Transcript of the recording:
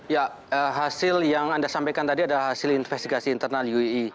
ya hasil yang anda sampaikan tadi adalah hasil investigasi internal ui